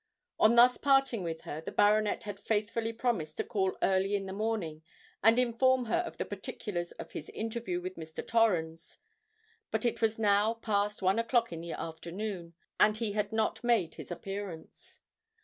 On thus parting with her, the baronet had faithfully promised to call early in the morning and inform her of the particulars of his interview with Mr. Torrens;—but it was now past one o'clock in the afternoon, and he had not made his appearance.